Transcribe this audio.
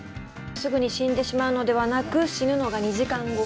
すぐに死んでしまうのではなく死ぬのが２時間後。